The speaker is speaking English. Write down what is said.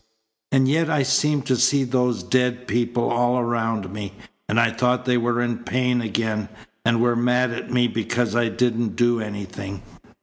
"And yet I seemed to see those dead people all around me, and I thought they were in pain again, and were mad at me because I didn't do anything.